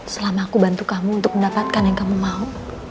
selama aku bantu kamu untuk mendapatkan yang kamu mau